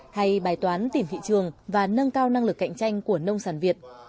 hay bài toán tìm thị trường và nâng cao năng lực cạnh tranh của nông sản việt